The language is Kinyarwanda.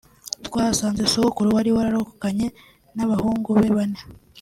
twahasanze Sogokuru wari wararokokanye n’abahungu be bane